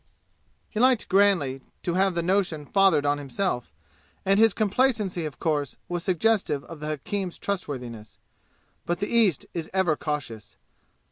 He liked grandly to have the notion fathered on himself; and his complacency of course was suggestive of the hakim's trustworthiness. But the East is ever cautious.